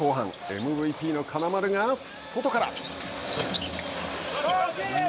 ＭＶＰの金丸が外から。